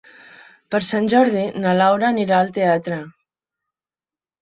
Per Sant Jordi na Laura anirà al teatre.